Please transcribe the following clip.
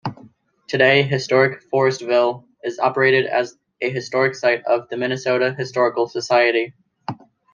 Today Historic Forestville is operated as a historic site of the Minnesota Historical Society.